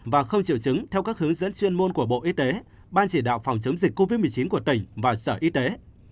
và khâu triệu chứng theo các hướng dẫn chuyên môn của bộ y tế ban chỉ đạo phòng chống dịch covid một mươi chín của tỉnh và sở y tế